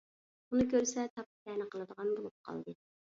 ئۇنى كۆرسە تاپا - تەنە قىلىدىغان بولۇپ قالدى.